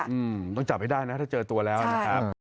อืมต้องจับให้ได้นะถ้าเจอตัวแล้วนะครับ